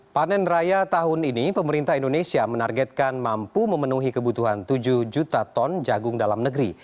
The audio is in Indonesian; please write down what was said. panen raya tahun ini pemerintah indonesia menargetkan mampu memenuhi kebutuhan tujuh juta ton jagung dalam negeri